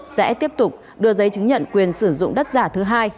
sẽ tiếp tục đưa giấy chứng nhận quyền sử dụng đất giả thứ hai